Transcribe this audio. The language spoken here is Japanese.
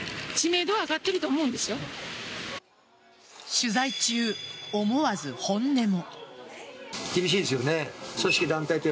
取材中、思わず本音も。